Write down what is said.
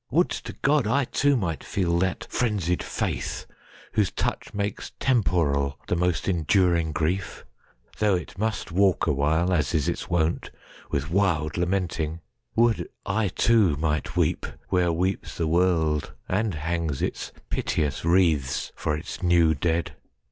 Would to GodI too might feel that frenzied faith whose touchMakes temporal the most enduring grief; Though it must walk awhile, as is its wont, With wild lamenting! Would I too might weepWhere weeps the world and hangs its piteous wreathsFor its new dead!